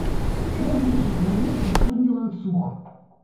Поблізу звінеў пры студні ланцуг.